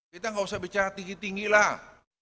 kita nggak usah bicara tinggi tinggi lah